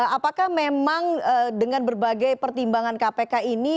apakah memang dengan berbagai pertimbangan kpk ini